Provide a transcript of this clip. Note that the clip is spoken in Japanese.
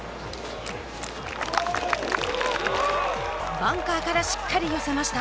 バンカーからしっかり寄せました。